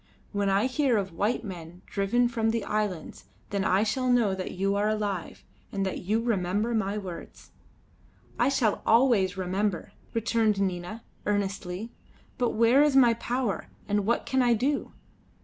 When I hear of white men driven from the islands, then I shall know that you are alive, and that you remember my words." "I shall always remember," returned Nina, earnestly; "but where is my power, and what can I do?"